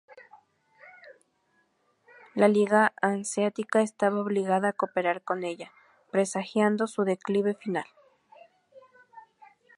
La Liga Hanseática estaba obligada a cooperar con ella, presagiando su declive final.